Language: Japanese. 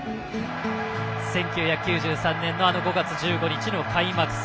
１９９３年の５月１５日の開幕戦。